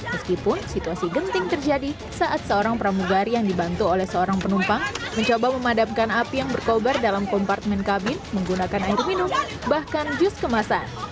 meskipun situasi genting terjadi saat seorang pramugari yang dibantu oleh seorang penumpang mencoba memadamkan api yang berkobar dalam kompartemen kabin menggunakan air minum bahkan jus kemasan